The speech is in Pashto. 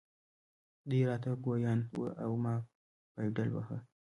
دی را ته ګویان و او ما پایډل واهه.